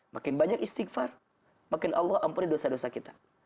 makin banyak istighfar makin allah ampuni dosa dosa kita